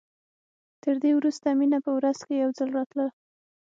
تر دې وروسته مينه په ورځ کښې يو ځل راتله.